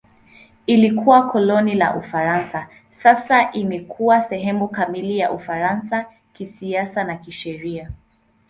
Ilikuwa koloni la Ufaransa; sasa imekuwa sehemu kamili ya Ufaransa kisiasa na kisheria.